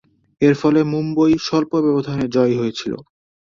এরফলে মুম্বই স্বল্প ব্যবধানে জয়ী হয়েছিল।